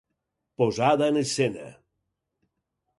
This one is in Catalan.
Posada en escena.